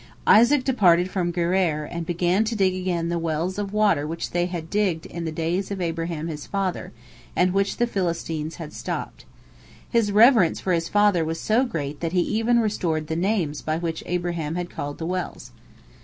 Isaac departed from Gerar, and began to dig again the wells of water which they had digged in the days of Abraham his father, and which the Philistines had stopped. His reverence for his father was so great that he even restored the names by which Abraham had called the wells.